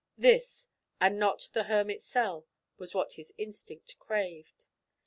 This, and not the hermit's cell, was what his instinct craved.